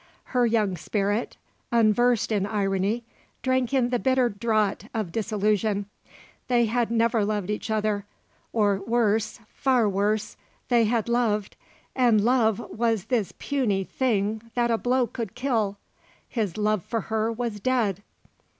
Her young spirit, unversed in irony, drank in the bitter draught of disillusion. They had never loved each other; or, worse, far worse, they had loved and love was this puny thing that a blow could kill. His love for her was dead.